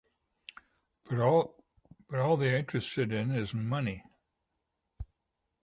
But all they are interested in is money.